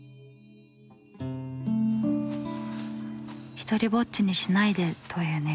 独りぼっちにしないでという願い。